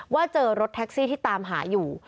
ว่าเจอรถแท็กซี่ที่ตามหาอยู่